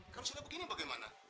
kalau sudah begini bagaimana